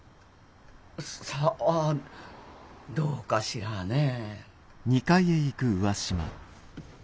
さあどうかしらねえ。